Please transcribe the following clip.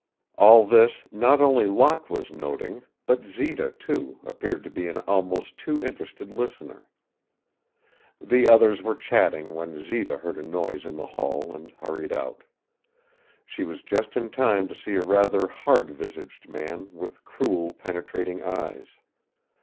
All this not only Locke was noting, but Zita, too, appeared to be an almost too interested listener. The others were chatting when Zita heard a noise in the hall and hurried out. She was just in time to see a rather hard visaged man, with cruel, penetrating eyes.